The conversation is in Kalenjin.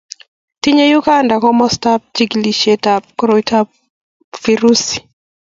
tinyei Uganda komostab chikilisietab koroito nebo virusi.